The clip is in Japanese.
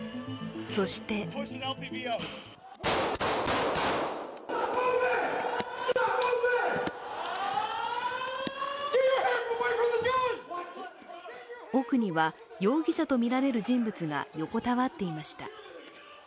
そして奥には容疑者とみられる人物が横たわっていました。